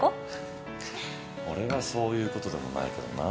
俺はそういうことでもないけどな。